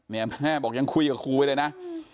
เนี่ยแม่บอกยังคุยกับครูไปเลยนะ